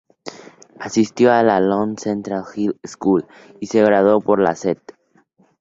Asistió a la "London Central High School" y se graduó por la "St.